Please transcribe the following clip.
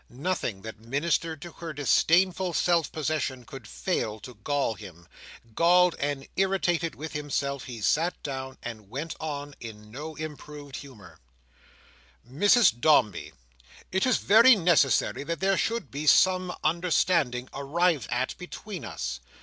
Nothing that ministered to her disdainful self possession could fail to gall him. Galled and irritated with himself, he sat down, and went on, in no improved humour: "Mrs Dombey, it is very necessary that there should be some understanding arrived at between us.